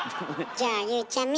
じゃあゆうちゃみ。